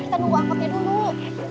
kita nunggu angkatnya dulu